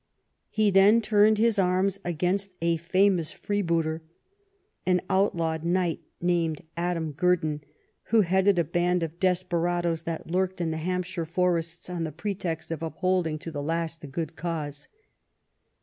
He then turned his arms against a famous freebooter, an outlaM' ed knight named Adam Gurdon, who headed a band of desperadoes that lurked in the Hampshire forests on the pretext of upholding to the last the good cause.